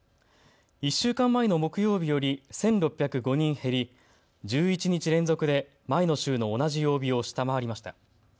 １週間前の木曜日より１６０５人減り１１日連続で前の週の同じ曜日を下回りました。